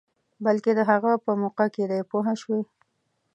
بلکې د هغه په موقع کې دی پوه شوې!.